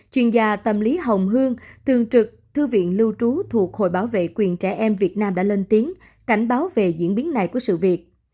chuyên gia tâm lý hồng hương tường trực thư viện lưu trú thuộc hội bảo vệ quyền trẻ em việt nam đã lên tiếng cảnh báo về diễn biến này của sự việc